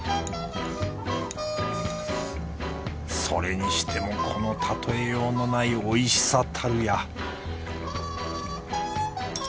それにしてもこの例えようのないおいしさたるや